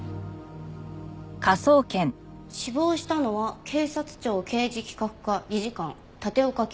死亡したのは警察庁刑事企画課理事官立岡清純さん。